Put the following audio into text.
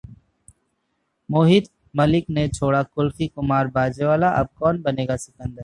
मोहित मलिक ने छोड़ा कुल्फी कुमार बाजेवाला? अब कौन बनेगा सिकंदर